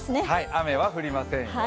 雨は降りませんよ。